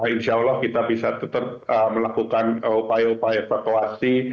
insya allah kita bisa tetap melakukan upaya upaya evakuasi